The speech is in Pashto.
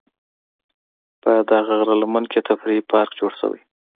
په دغه غره لمن کې تفریحي پارک جوړ شوی.